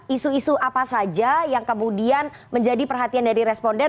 isu isu apa saja yang kemudian menjadi perhatian dari responden